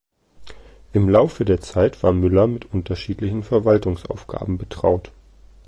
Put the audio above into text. Im Laufe der Zeit war Müller mit unterschiedlichen Verwaltungsaufgaben betraut.